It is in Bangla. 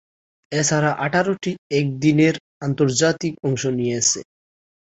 এছাড়াও, আঠারোটি একদিনের আন্তর্জাতিকে অংশ নিয়েছেন।